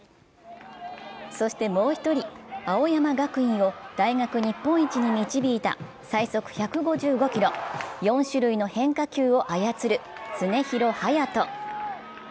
そしてもう一人、青山学院を大学日本一に導いた最速１５５キロ、４種類の変化球を操る常廣羽也斗。